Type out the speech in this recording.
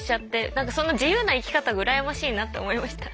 なんかそんな自由な生き方が羨ましいなと思いました。